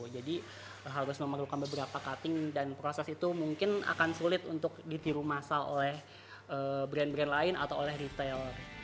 jadi harus memerlukan beberapa cutting dan proses itu mungkin akan sulit untuk ditiru masa oleh brand brand lain atau oleh retail